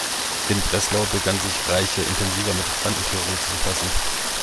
In Breslau begann sich Reiche intensiver mit Quantentheorie zu befassen.